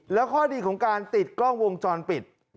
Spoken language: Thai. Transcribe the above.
แล้วข้อดีของการติดกล้องวงจรปิด